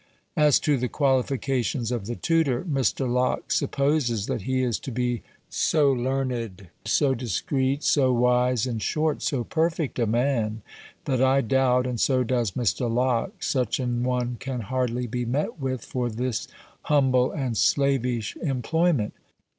As to the qualifications of the tutor, Mr. Locke supposes, that he is to be so learned, so discreet, so wise, in short, so perfect a man, that I doubt, and so does Mr. Locke, such an one can hardly be met with for this humble and slavish employment.